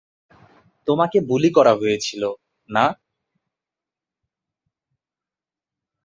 তোমাকে বুলি করা হয়েছিলো, না?